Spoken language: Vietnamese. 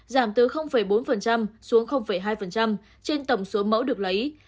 giảm từ bốn xuống hai trên tổng số mẫu được lấy